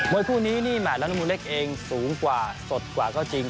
มวยคู่นี้นี่แหม่ตรำนมุนเล็กเองสูงกว่าสดกว่าก็จริง